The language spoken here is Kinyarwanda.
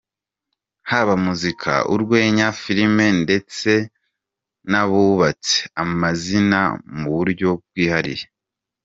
Haba muzika, urwenya, filime, ndetse n’abubatse amazina mu buryo bwihariye.